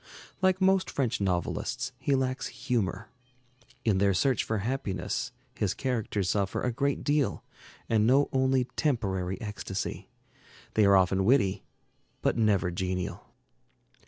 Like most French novelists, he lacks humor. In their search for happiness his characters suffer a great deal and know only temporary ecstasy. They are often witty, but never genial.